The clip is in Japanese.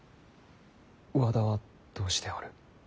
和田はどうしておる。